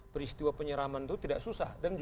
peristiwa penyeraman itu tidak susah